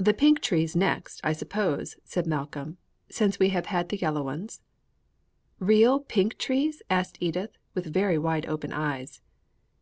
_ "The pink trees next, I suppose," said Malcolm, "since we have had the yellow ones?" "Real pink trees?" asked Edith, with very wide open eyes.